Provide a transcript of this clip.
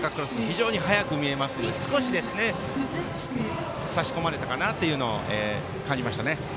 非常に速く見えますので少し、差し込まれたかなというのを感じました。